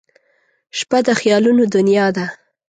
• شپه د خیالونو دنیا ده.